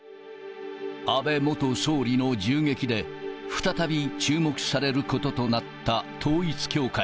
安倍元総理の銃撃で、再び注目されることとなった統一教会。